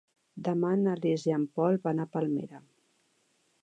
Demà na Lis i en Pol van a Palmera.